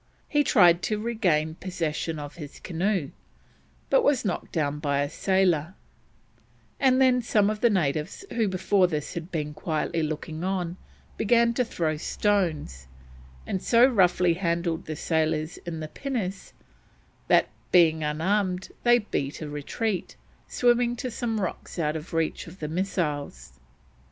He tried to regain possession of his canoe, but was knocked down by a sailor, and then some of the natives, who before this had been quietly looking on, began to throw stones, and so roughly handled the sailors in the pinnace that, being unarmed, they beat a retreat, swimming to some rocks out of reach of the missiles.